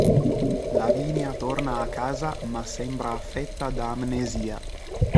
Lavinia torna a casa, ma sembra affetta da amnesia.